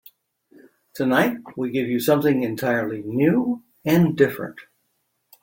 Tonight we give you something entirely new and different.